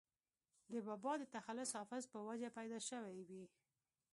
دَبابا دَ تخلص “حافظ ” پۀ وجه پېدا شوې وي